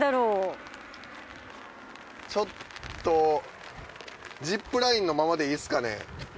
ちょっとジップラインのままでいいですかね？